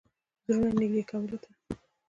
زړونو نېږدې کولو ته.